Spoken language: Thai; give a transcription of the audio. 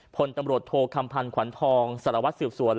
พลตำรวจโทคำพันธ์ขวัญทองสารวัตรสืบสวน